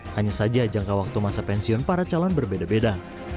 hanya saja jangka waktu masa pensiun para calon berbeda beda